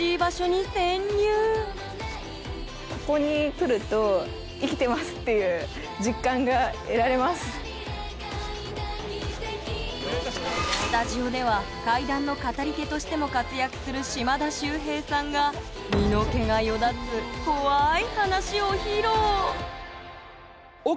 ここに来るとスタジオでは怪談の語り手としても活躍する島田秀平さんが身の毛がよだつ更に。